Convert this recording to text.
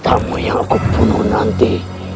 tamu yang aku bunuh nanti